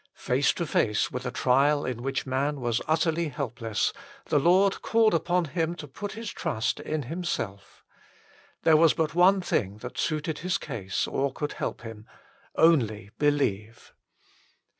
l Face to face with a trial in which man was utterly helpless, the Lord called upon him to put his trust in Himself. There was but one thing that suited his case or could help him :" only believe."